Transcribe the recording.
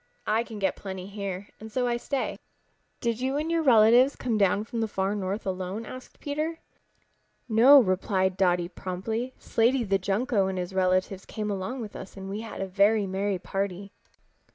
I can get plenty here and so I stay." "Did you and your relatives come down from the Far North alone?" asked Peter. "No," replied Dotty promptly. "Slaty the Junco and his relatives came along with us and we had a very merry party."